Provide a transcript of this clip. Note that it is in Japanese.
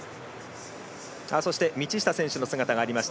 そして、道下選手の姿があります。